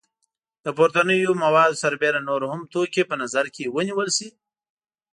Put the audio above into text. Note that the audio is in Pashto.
له پورتنیو موادو سربیره نور کوم توکي په نظر کې ونیول شي؟